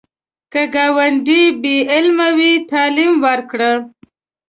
که ګاونډی بې علمه وي، تعلیم ورکړه